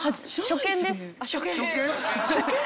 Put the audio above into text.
初見です。